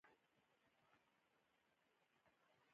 د مولنا محمودالحسن په شمول یې ځینې استادان دښمنان کړل.